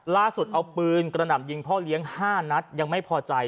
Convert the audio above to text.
ล่าสุดเอาปืนกระหน่ำยิงพ่อเลี้ยง๕นัดยังไม่พอใจ